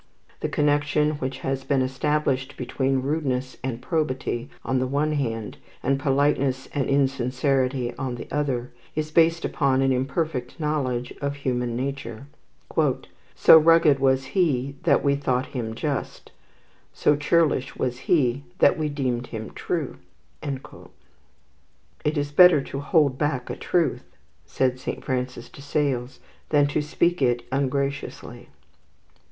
The connection which has been established between rudeness and probity on the one hand, and politeness and insincerity on the other, is based upon an imperfect knowledge of human nature. "So rugged was he that we thought him just, So churlish was he that we deemed him true." "It is better to hold back a truth," said Saint Francis de Sales, "than to speak it ungraciously."